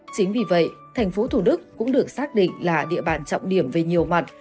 chính vì vậy thành phố thủ đức cũng được xác định là địa bàn trọng điểm về nhiều mặt